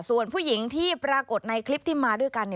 ส่วนผู้หญิงที่ปรากฏในคลิปที่มาด้วยกัน